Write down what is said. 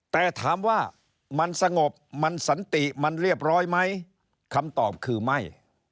แต่ถามว่ามันสงบมันสันติมันเรียบร้อยไหมคำตอบคือไม่